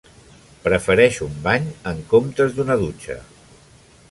Prefereix un bany, en comptes d"una dutxa.